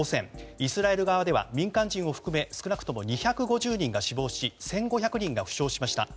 イスラエル側では民間人を含め少なくとも２５０人が死亡し１５００人が負傷しました。